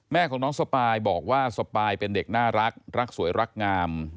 แม่ของน้องสปายบอกว่าสปายเป็นเด็กน่ารักรักสวยรักงาม